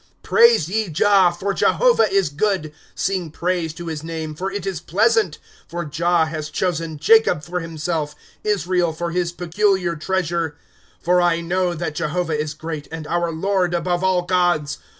^ Praise ye Jah, for Jehovah is good ; Sing praise to his name, for it is * For Jah has chosen Jacob for himself, Israel for his peculiar treasure. ° For I know that Jehovah is great, And our Lord above all gods.